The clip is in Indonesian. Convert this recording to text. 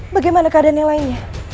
bagaimana keadaan yang lainnya